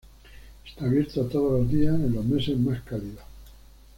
Está abierto todos los días en los meses más cálidos.